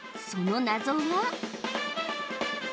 その謎は？